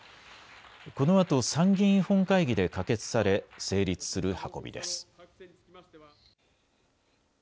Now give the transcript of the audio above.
このあと参議院本会議で可決され、成立する運びです。